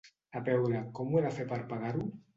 A veure, com ho he de fer per pagar-ho?